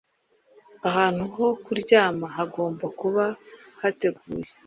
ahantu ho kuryama hagomba kuba hateguye